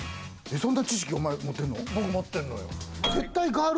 そんな知識、お前もってんの？